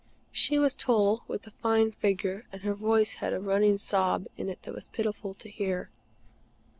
She was tall, with a fine figure, and her voice had a running sob in it pitiful to hear.